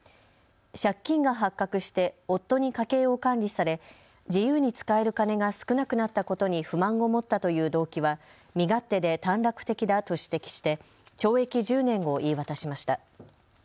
借金が発覚して夫に家計を管理され自由に使える金が少なくなったことに不満を持ったという動機は身勝手で短絡的だと指摘して懲役１０年を言い渡しました。